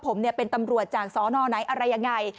ผมเป็นตำรวจจากซ้อน่อนัยอะไรยังไง